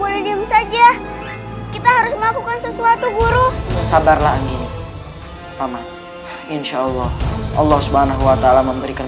boleh diem saja kita harus melakukan sesuatu guru sabarlah amin insyaallah allah swt memberikan